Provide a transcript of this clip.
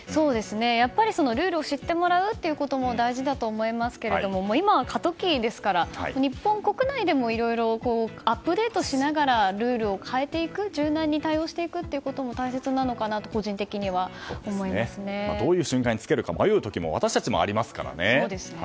やっぱりルールを知ってもらうということも大事だと思いますけれども今は過渡期ですから日本国内でもいろいろアップデートしながらルールを変えていく柔軟に対応していくということも大事なのかなとどういう瞬間に着けるか迷う時も私たちもありますからね。